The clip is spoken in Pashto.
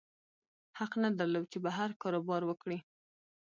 حق نه درلود چې بهر کاروبار وکړي.